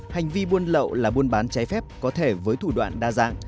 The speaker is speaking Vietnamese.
hành vi buôn lậu là buôn bán trái phép có thể với thủ đoạn đa dạng